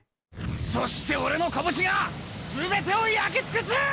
そして俺の拳が全てを焼き尽くす！